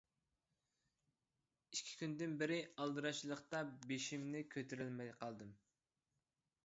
ئىككى كۈندىن بېرى ئالدىراشچىلىقتا بېشىمنى كۆتۈرەلمەي قالدىم.